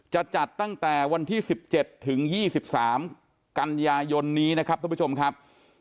จะจัดตั้งแต่วันที่๑๗ถึง๒๓กันยายนนี้นะครับทุกผู้ชมครับ